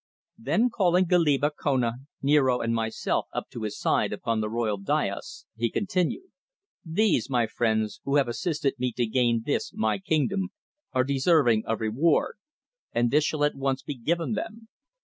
Then calling Goliba, Kona, Niaro, and myself up to his side upon the royal daïs, he continued: "These, my friends, who have assisted me to gain this, my kingdom, are deserving of reward, and this shall at once be given them.